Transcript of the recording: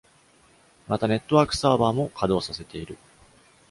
また、ネットワークサーバーも稼働させている。